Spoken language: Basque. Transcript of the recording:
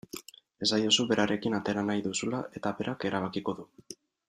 Esaiozu berarekin atera nahi duzula eta berak erabakiko du.